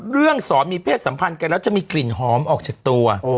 สอนมีเพศสัมพันธ์กันแล้วจะมีกลิ่นหอมออกจากตัว